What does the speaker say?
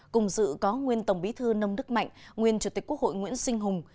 cùng dự có nguyên tổng bí thư nông đức mạnh nguyên chủ tịch quốc hội nguyễn sinh hùng